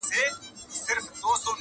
ته خپل قاتل ته ګرېوان څنګه څیرې؟؛